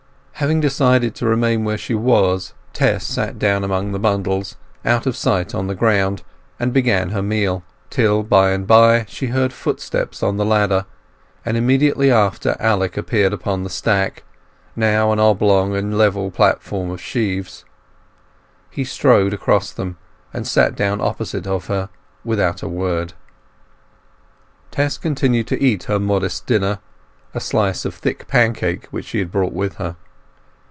Having decided to remain where she was, Tess sat down among the bundles, out of sight of the ground, and began her meal; till, by and by, she heard footsteps on the ladder, and immediately after Alec appeared upon the stack—now an oblong and level platform of sheaves. He strode across them, and sat down opposite of her without a word. Tess continued to eat her modest dinner, a slice of thick pancake which she had brought with her.